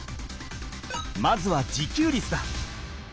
まずは自給率だ。